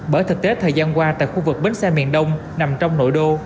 bởi thực tế thời gian qua tại khu vực bến xe miền đông nằm trong nội đô